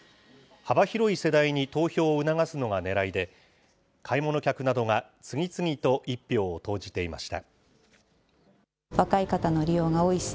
幅広い世代に投票を促すのがねらいで、買い物客などが次々と１票を投じていました。